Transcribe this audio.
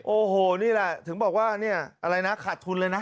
โอ้โหนี่แหละถึงบอกว่าเนี่ยอะไรนะขาดทุนเลยนะ